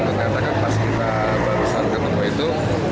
mengatakan pas kita baru saat ketemu itu